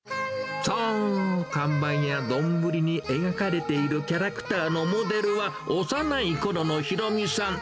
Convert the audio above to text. そう、看板や丼に描かれているキャラクターのモデルは、幼いころのひろみさん。